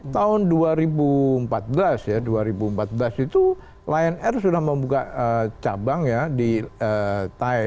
tahun dua ribu empat belas ya dua ribu empat belas itu lion air sudah membuka cabang ya di thai